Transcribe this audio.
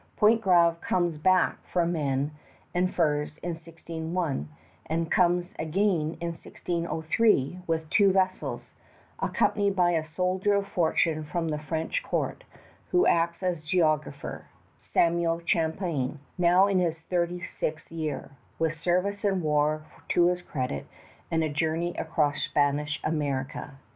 Pontgravé comes back for men and furs in 1601, and comes again in 1603 with two vessels, accompanied by a soldier of fortune from the French court, who acts as geographer, Samuel Champlain, now in his thirty sixth year, with service in war to his credit and a journey across Spanish America.